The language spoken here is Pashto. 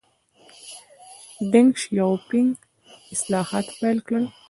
ډینګ شیاؤ پینګ اصلاحات پیل کړل.